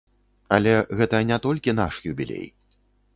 Але гэта не толькі наш юбілей.